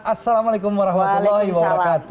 assalamualaikum warahmatullahi wabarakatuh